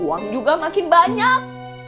uang juga makin banyak